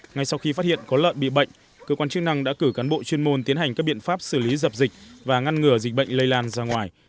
ngay sau khi phát hiện có lợn bị bệnh cơ quan chức năng đã cử cán bộ chuyên môn tiến hành các biện pháp xử lý dập dịch và ngăn ngừa dịch bệnh lây lan ra ngoài